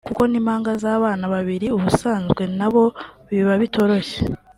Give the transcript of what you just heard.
kuko n’impanga z’abana babiri ubusanzwe na bo biba bitoroshye